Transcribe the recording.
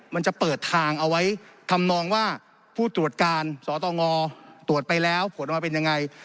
มันจะเปิดทางเอาไว้ทำนองว่าผู้ตรวจการสตงตรวจไปแล้วผลออกมาเป็นยังไง